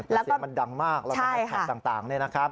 แต่เสียงมันดังมากแล้วมันอาจถัดต่างนะครับ